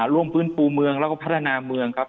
ร่วมฟื้นฟูเมืองแล้วก็พัฒนาเมืองครับ